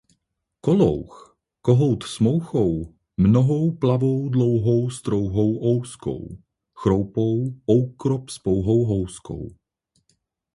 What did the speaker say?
Kolouch, kohout s mouchou mnohou plavou dlouhou strouhou ouzkou, chroupou oukrop s pouhou houskou.